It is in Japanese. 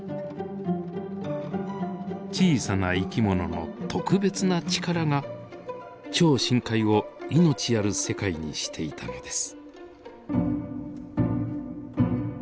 小さな生き物の特別な力が超深海を命ある世界にしていたのです。